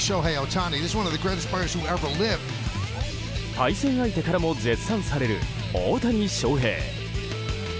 対戦相手からも絶賛される大谷翔平。